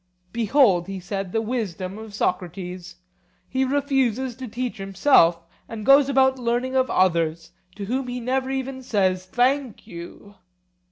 Behold, he said, the wisdom of Socrates; he refuses to teach himself, and goes about learning of others, to whom he never even says Thank you.